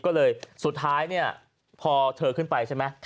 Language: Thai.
ก็เลยสุดท้ายเนี่ยพอเธอขึ้นไปใช่ไหม